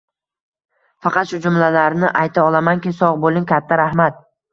Faqat shu jumlalarni ayta olamanki, sogʻ boʻling, katta rahmat!